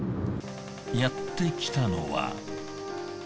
やってきたのは。